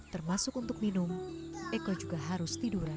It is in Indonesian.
termasuk untuk minum eko juga harus tiduran